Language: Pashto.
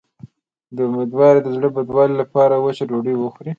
د امیدوارۍ د زړه بدوالي لپاره وچه ډوډۍ وخورئ